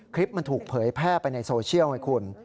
คลิปมันถูกเผยแพร่ไปในโซเชียลไงคุณ